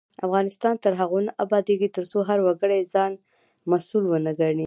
افغانستان تر هغو نه ابادیږي، ترڅو هر وګړی ځان مسؤل ونه ګڼي.